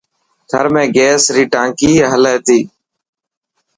ٿر ۾ گيس ري ٽانڪي هلي ٿي.